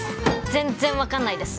全然分かんないです。